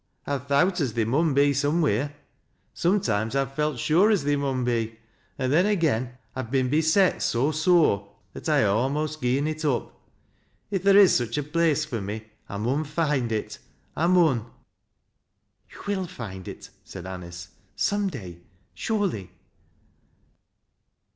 " I've thowt as theei mun be somewheer. Sometimes I've felt sure as theer mun be, an' then agen I've been beset so sore that I ha' almost gi'en it up. • If there i« such 1 place fur me I mun find it — I mun !" ""i'ou will find it" said Anice. " Some day, surely."